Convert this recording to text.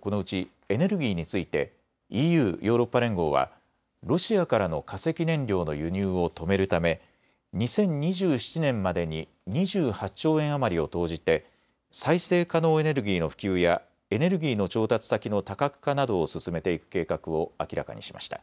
このうちエネルギーについてＥＵ・ヨーロッパ連合はロシアからの化石燃料の輸入を止めるため２０２７年までに２８兆円余りを投じて再生可能エネルギーの普及やエネルギーの調達先の多角化などを進めていく計画を明らかにしました。